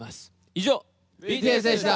以上ＢＴＳでした。